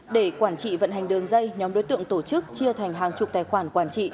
để quản trị vận hành đường dây nhóm đối tượng tổ chức chia thành hàng chục tài khoản quản trị